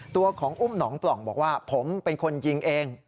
ตัวของอุ้มหนองปล่องบอกว่าผมเป็นคนยิงเอง